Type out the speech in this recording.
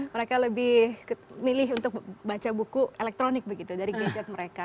mereka lebih milih untuk baca buku elektronik begitu dari gadget mereka